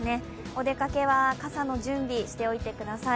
お出かけは傘の準備、しておいてください。